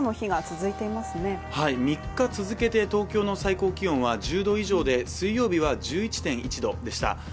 はい３日続けて東京の最高気温は１０度以上で、水曜日は１１．１度でした。